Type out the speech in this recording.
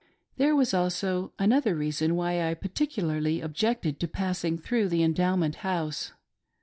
There was also another reason why I particularly objected to passing through the Endowment House.